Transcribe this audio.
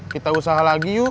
kita usaha lagi yuk